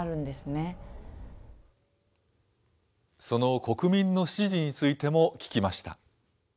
その国民の支持についても聞きました。